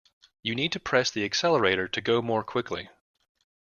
You need to press the accelerator to go more quickly